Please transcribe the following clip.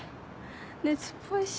熱っぽいし。